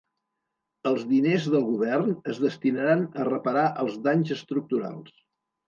Els diners del Govern es destinaran a reparar els danys estructurals.